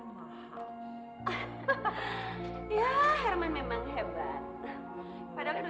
saya sudah peringkatkan berkali kali